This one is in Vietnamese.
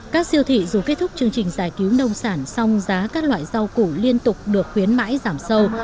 các siêu thị dù kết thúc chương trình giải cứu nông sản song giá các loại rau củ liên tục được khuyến mãi giảm sâu